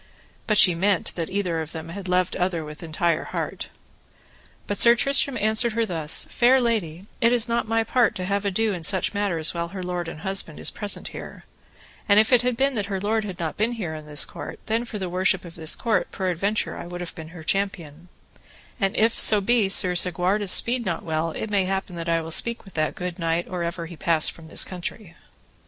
But she meant that either of them had loved other with entire heart. But Sir Tristram answered her thus: Fair lady, it is not my part to have ado in such matters while her lord and husband is present here; and if it had been that her lord had not been here in this court, then for the worship of this court peradventure I would have been her champion, and if so be Sir Segwarides speed not well, it may happen that I will speak with that good knight or ever he pass from this country.